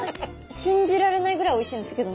信じられないぐらいおいしいんですけど何？